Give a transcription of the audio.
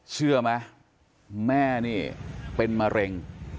เชื่อไหมแม่นี่เป็นมะเร็ง